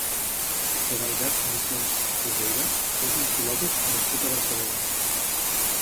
Joan Albert Vicens Folgueira és un filòsof nascut a Barcelona.